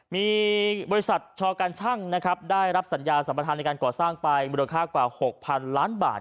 มีบริษัทชอการชั่งนะครับได้รับสัญญาสัมประธานในการก่อสร้างไปมูลค่ากว่า๖๐๐๐ล้านบาท